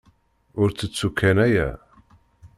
Ur ttettu kan aya.